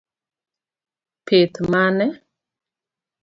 Pith mane?